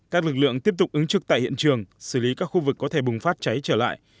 các lực lượng tiếp tục ứng trực tại hiện trường xử lý các khu vực có thể bùng phát cháy trở lại